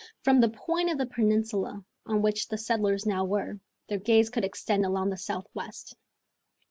From the point of the peninsula on which the settlers now were their gaze could extend along the southwest.